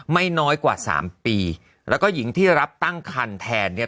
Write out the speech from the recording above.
ไม่น้อยกว่าสามปีแล้วก็หญิงที่รับตั้งคันแทนเนี่ย